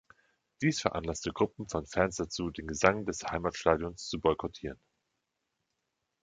Dies veranlasste Gruppen von Fans dazu, den Gesang des Heimatstadions zu boykottieren.